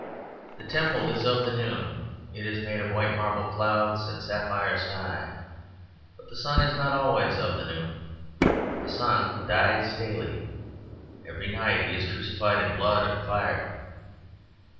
The temple is of the noon; it is made of white marble clouds and sapphire sky. But the sun is not always of the noon. The sun dies daily, every night he is crucified in blood and fire."